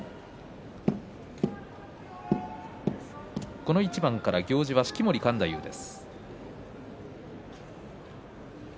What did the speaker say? この一番から行司は式守勘太夫です。